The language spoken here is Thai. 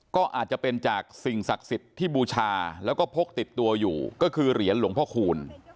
ก็อาจจะเป็นจากสิ่งศักดิ์สิทธิ์ที่บูชาแล้วก็พกติดตัวอยู่ก็คือเหรียญหลวงพ่อคูณ